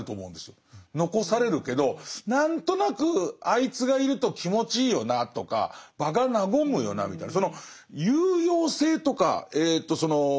残されるけど何となくあいつがいると気持ちいいよなとか場が和むよなみたいな